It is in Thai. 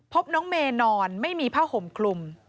พบน้องเมย์นอนไม่มีผ้าห่มคลุม